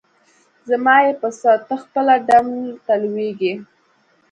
زما یی په څه؟ ته خپله ډم ته لویږي.